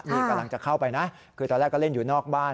นี่กำลังจะเข้าไปนะคือตอนแรกก็เล่นอยู่นอกบ้าน